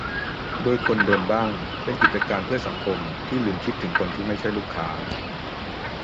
โดนคนเดินบ้าง เป็น "กิจการเพื่อสังคม" ที่ลืมคิดถึงคนที่ไม่ใช่ลูกค้า